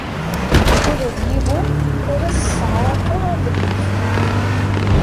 Ula d yiwen ur as-sseɛraqeɣ abrid.